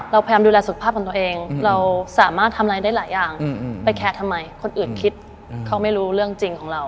พยายามดูแลสุขภาพของตัวเองเราสามารถทำอะไรได้หลายอย่างไปแคร์ทำไมคนอื่นคิดเขาไม่รู้เรื่องจริงของเรา